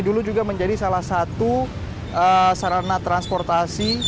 dulu juga menjadi salah satu sarana transportasi